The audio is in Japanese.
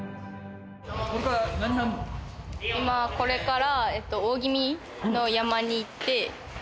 これから。